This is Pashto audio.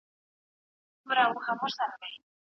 د تګ راتګ حق د کورنیو د یوځای کیدو سره مرسته کوي.